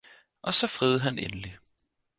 Og så friede han endelig